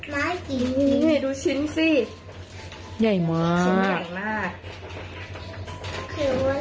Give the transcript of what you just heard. น้ายอยากจริงเห้ยดูชิคซีใหญ่ไหมมาก